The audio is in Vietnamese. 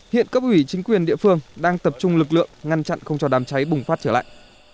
hiện cấp ủy chính quyền địa phương đang tập trung lực lượng ngăn chặn không cho đám cháy bùng phát trở lại